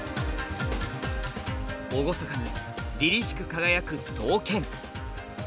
厳かに凜々しく輝く刀剣。